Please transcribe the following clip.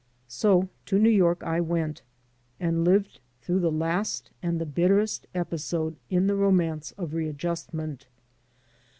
So to New York I went, and lived through the last and the bitterest episode in the romance of readjustment.